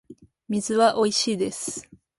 水はおいしいです